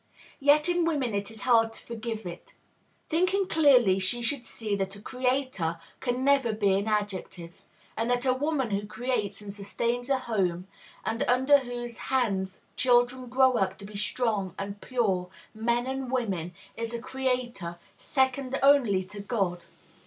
Yet in women it is hard to forgive it. Thinking clearly, she should see that a creator can never be an adjective; and that a woman who creates and sustains a home, and under whose hands children grow up to be strong and pure men and women, is a creator, second only to God.